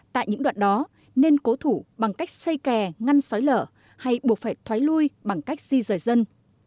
tại những đoạn đó nên cố thủ bằng cách xây kè ngăn xói lở hay buộc phải thoái lui bằng cách di rời dân